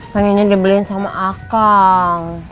kan ini dibeliin sama akang